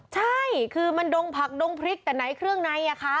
ใช่คือมันดงผักดงพริกแต่ไหนเครื่องในอ่ะคะ